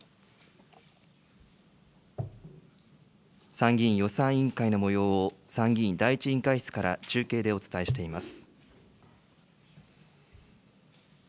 参議院予算委員会のもようを参議院第１委員会室から中継でお伝えしています。